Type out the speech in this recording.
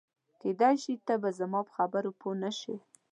کېدای شي ته به زما په خبرو پوه نه شې.